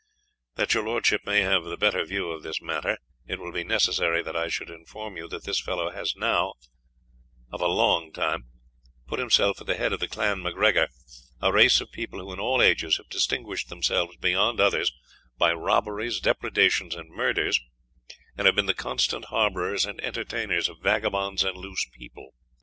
"That your Lordship may have the better view of this matter, it will be necessary that I should inform you, that this fellow has now, of a long time, put himself at the head of the Clan M'Gregor, a race of people who in all ages have distinguished themselves beyond others, by robberies, depredations, and murders, and have been the constant harbourers and entertainers of vagabonds and loose people.